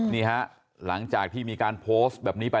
นี่ฮะหลังจากที่มีการโพสต์แบบนี้ไป